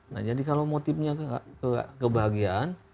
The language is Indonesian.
nah jadi kalau motifnya kebahagiaan